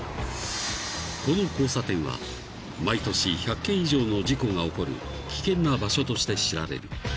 ［この交差点は毎年１００件以上の事故が起こる危険な場所として知られる］